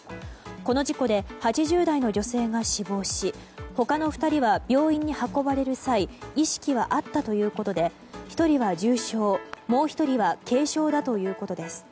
この事故で８０代の女性が死亡し他の２人は病院に運ばれる際意識はあったということで１人は重傷、もう１人は軽傷だということです。